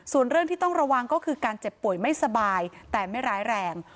ส่วนเรื่องที่ต้องระวังก็คือการเจ็บป่วยไม่สบายแต่ไม่ร้ายแรง